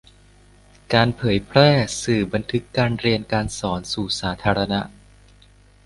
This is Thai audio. การเผยแพร่สื่อบันทึกการเรียนการสอนสู่สาธารณะ